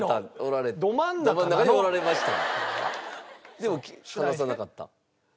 でも話さなかった？